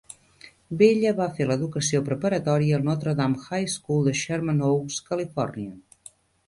Vella va fer l'educació preparatòria al Notre Dame High School de Sherman Oaks, Califòrnia.